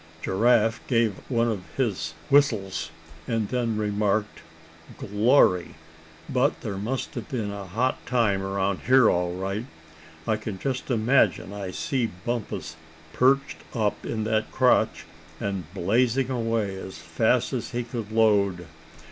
Giraffe gave one of his whistles, and then remarked: "Glory! but there must have been a hot time around here, all right. I can just imagine I see Bumpus perched up in that crotch, and blazing away as fast as he could load.